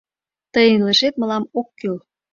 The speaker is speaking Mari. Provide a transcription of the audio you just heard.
— Тыйын илышет мылам ок кӱл.